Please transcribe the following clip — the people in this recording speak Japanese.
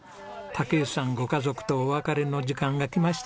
竹内さんご家族とお別れの時間が来ました。